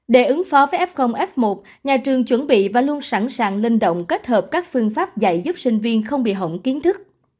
để ứng phó với f f một nhà trường chuẩn bị và luôn sẵn sàng linh động kết hợp các phương pháp dạy giúp sinh viên không bị hỏng kiến thức